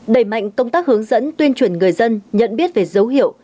đẩy mạnh công tác hướng dẫn tuyên truyền người dân nhận biết về dấu hiệu